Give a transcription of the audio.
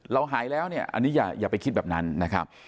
เราหายแล้วเนี่ยอันนี้อย่าไปคิดแบบนั้นนะครับ